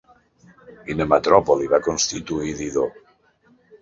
Quina metròpoli va constituir Dido?